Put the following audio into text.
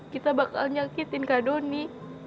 kita bakal nyakitin kak doni